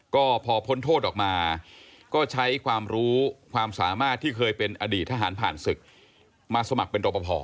ก็พอพ้นโทษออกมาก็ใช้ความรู้ความสามารถที่เคยเป็นอดีตทหารผ่านศึกมาสมัครเป็นรอปภ